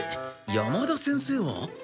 山田先生は？